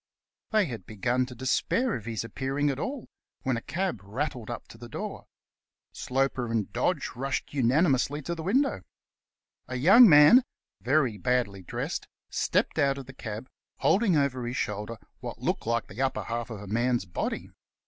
They had begun to despair of his appearing at all, when a cab rattled up to the door. Sloper and Dodge rushed unanimously to the window. A young man, very badly dressed, stepped out of the cab, holding over his shoulder 21 The Cast iron Canvasser what looked like the upper half of a man's body.